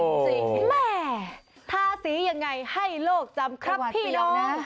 แม่ทาสียังไงให้โลกจำครับพี่น้อง